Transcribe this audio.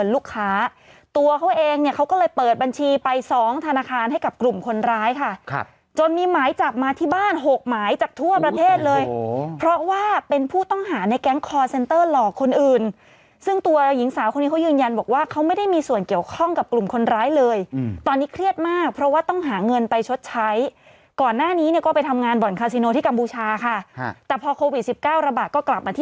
รายการอาหารสิบสี่รายการถากบทล็อกตรงนี้คาดว่ามูลค่าเศรษฐกิจของกัญชา